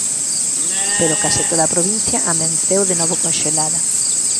Pero case toda a provincia amenceu de novo conxelada.